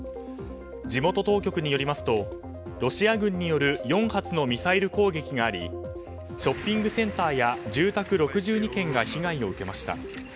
地元当局によりますとロシア軍による４発のミサイル攻撃がありショッピングセンターや住宅６２軒が被害を受けました。